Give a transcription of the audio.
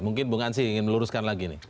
mungkin bang ansyi ingin meluruskan lagi nih